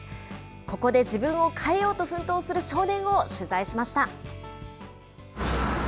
ここで自分を変えようと奮闘する少年を取材しました。